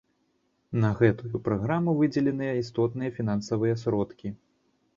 На гэтую праграму выдзеленыя істотныя фінансавыя сродкі.